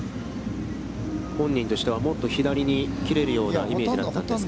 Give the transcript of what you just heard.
本人としては、もっと左に切れるようなイメージだったんですか。